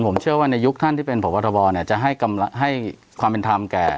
ผมเชื่อว่าในยุคท่านที่เป็นพบทบจะให้ความเป็นธรรมแก่